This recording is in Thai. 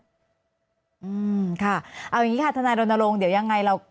อืมค่ะเอาอย่างนี้ค่ะทนายรณรงค์เดี๋ยวยังไงเรา